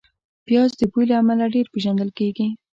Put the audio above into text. پیاز د بوی له امله ډېر پېژندل کېږي